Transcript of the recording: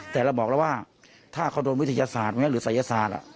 แต่เราบอกแล้วว่าถ้าเขาโดนวิทยาศาสตร์หรือศัยศาสตร์